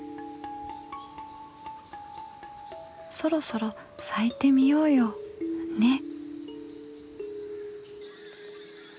そろそろ咲いてみようよねっ。